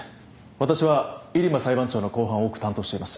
私は入間裁判長の公判を多く担当しています。